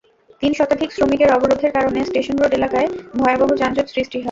তিন শতাধিক শ্রমিকের অবরোধের কারণে স্টেশন রোড এলাকায় ভয়াবহ যানজট সৃষ্টি হয়।